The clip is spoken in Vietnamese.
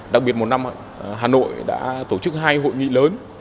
đặc biệt một năm hà nội đã tổ chức hai hội nghị lớn